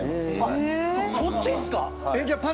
そっちっすか！